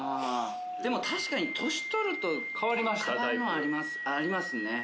でも確かに年取ると変わるのありますね。